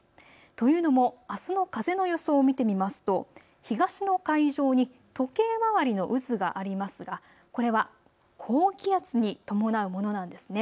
というのも、あすの風の予想を見てみますと東の海上に時計回りの渦がありますがこれは高気圧に伴うものなんですね。